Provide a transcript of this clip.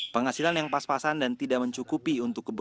penghasilan yang pas pasan dan tidak mencukupi untuk kebutuhan